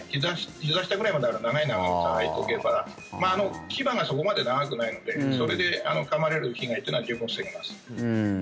ひざ下くらいまである長い長靴を履いておけば牙がそこまで長くないのでそれでかまれる被害というのは十分防げます。